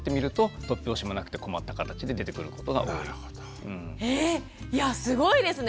いやすごいですね。